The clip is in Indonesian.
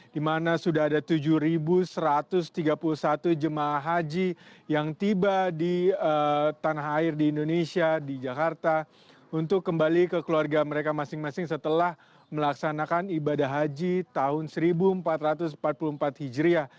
di mana sudah ada tujuh satu ratus tiga puluh satu jemaah haji yang tiba di tanah air di indonesia di jakarta untuk kembali ke keluarga mereka masing masing setelah melaksanakan ibadah haji tahun seribu empat ratus empat puluh empat hijriah